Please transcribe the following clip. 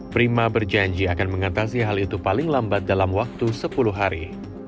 prima berjanji akan mengatasi hal itu paling lambat dalam waktu sepuluh hari